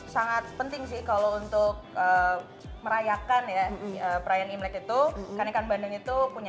sangat penting sih kalau untuk merayakan ya perayaan imlek itu kan ikan bandeng itu punya